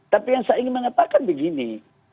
tapi yang saya ingin mengatakan begini